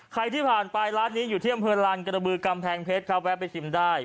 ใครที่ผ่านไปร้านนี้อยู่ที่อำเภอลานกระบือกำแพงเพชรครับแวะไปชิมได้